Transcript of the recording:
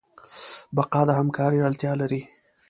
بقا د همکارۍ اړتیا لري.